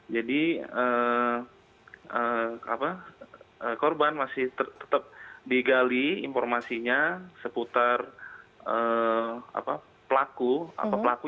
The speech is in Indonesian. jadi korban masih tetap digali informasinya seputar pelaku